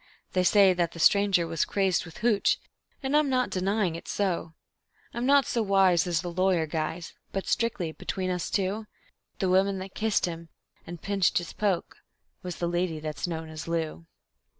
They say that the stranger was crazed with "hooch", and I'm not denying it's so. I'm not so wise as the lawyer guys, but strictly between us two The woman that kissed him and pinched his poke was the lady that's known as Lou.